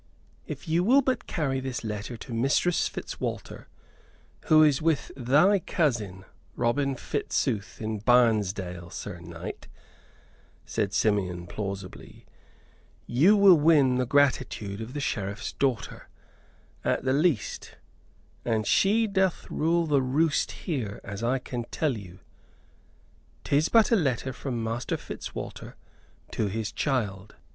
"If you will but carry this letter to Mistress Fitzwalter, who is with thy cousin Robin Fitzooth in Barnesdale, Sir Knight," said Simeon, plausibly, "you will win the gratitude of the Sheriff's daughter, at the least; and she doth rule the roost here, as I can tell you. 'Tis but a letter from Master Fitzwalter to his child."